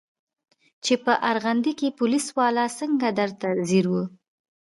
چې په ارغندې کښې پوليس والا څنګه درته ځير و.